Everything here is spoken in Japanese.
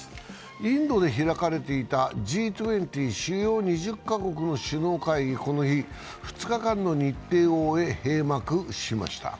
インドで開かれていたＧ２０＝主要２０か国の首脳会議、この日、２日間の日程を終え、閉幕しました。